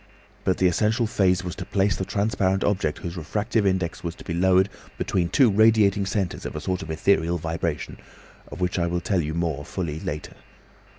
But the essential phase was to place the transparent object whose refractive index was to be lowered between two radiating centres of a sort of ethereal vibration, of which I will tell you more fully later.